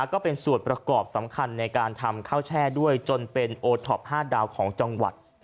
ก็เป็นส่วนประกอบสำคัญในการทำข้าวแช่ด้วยจนเป็นโอท็อป๕ดาวของจังหวัด